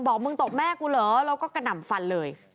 บอกมึงตบแม่กูเหรอแล้วก็กระหน่ำฟันเลย